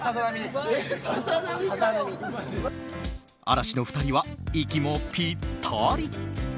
嵐の２人は息もぴったり。